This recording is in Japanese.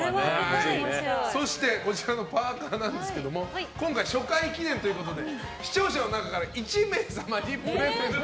そして、こちらのパーカですが今回初回記念ということで視聴者の中から１名様にプレゼント。